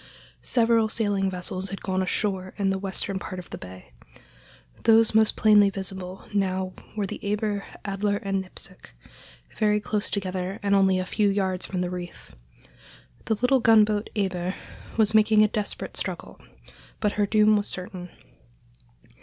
Several sailing vessels had gone ashore in the western part of the bay. Those most plainly visible now were the Eber, Adler, and Nipsic, very close together and only a few yards from the reef. The little gunboat Eber was making a desperate struggle, but her doom was certain.